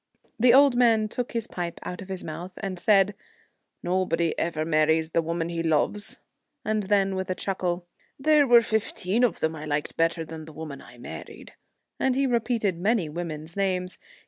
The old man took his pipe out of his mouth, and said, ' Nobody ever marries the woman he loves,' and then, with a chuckle, ' There were fifteen of them I liked better than the woman I married,' and he repeated many women's names.